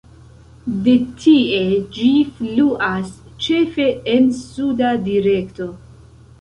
De tie ĝi fluas ĉefe en suda direkto.